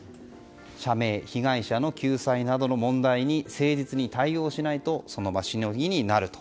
社名・被害者の救済などの問題に誠実に対応しないとその場しのぎになると。